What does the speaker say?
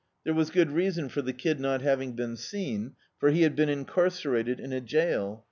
There was good reason for the Kid not having been seen, for he had been incar cerated in a jail.